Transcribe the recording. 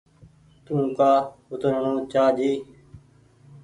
تو ڪآ اوترڻو چآ جي۔